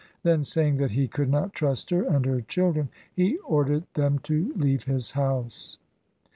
Then saying that he could not trust her and her children, he ordered them to leave his house.